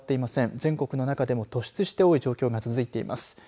全国の中でも突出して多い状況が続いています。